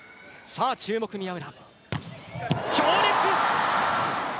注目、宮浦。